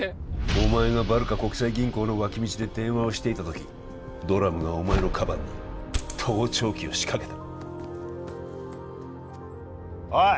お前がバルカ国際銀行の脇道で電話をしていた時ドラムがお前のカバンに盗聴器を仕掛けたおい！